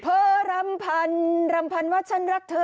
รำพันรำพันว่าฉันรักเธอ